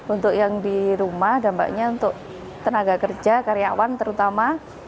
untuk yang di rumah dampaknya untuk tenaga kerja karyawan terutama